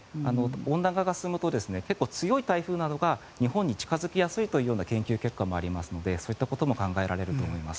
温暖化が進むと結構、強い台風などが日本に近付きやすいという研究結果もありますのでそういったことも考えられると思います。